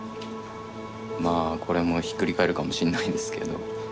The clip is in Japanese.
まあこれもひっくり返るかもしれないんですけど。